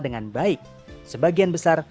dengan baik sebagian besar